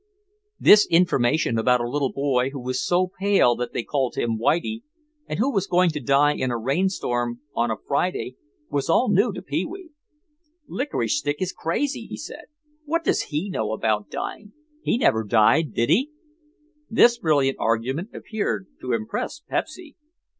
This information about a little boy who was so pale that they called him Whitie, and who was going to die in a rainstorm on a Friday was all new to Pee wee. "Licorice Stick is crazy," he said. "What does he know about dying? He never died, did he?" This brilliant argument appeared to impress Pepsy.